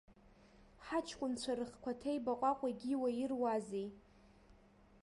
Ҳаҷкәынцәа рыхқәа ҭеибаҟәаҟәо егьиуа ируазеи!